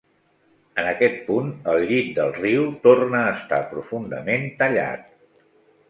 En aquest punt el llit del riu torna a estar profundament tallat.